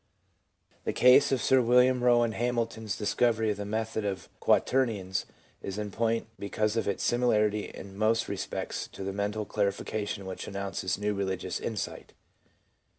The case of Sir William Rowan Hamilton's discovery of the method of ■ Quaternions ' is in point because of its similarity in most respects to the mental clarification which announces new religious insight.